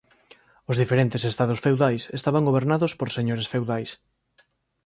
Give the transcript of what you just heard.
Os diferentes estados feudais estaban gobernados por señores feudais.